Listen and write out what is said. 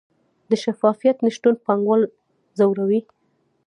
د شفافیت نشتون پانګوال ځوروي؟